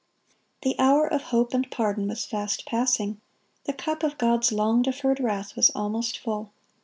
The hour of hope and pardon was fast passing; the cup of God's long deferred wrath was almost full.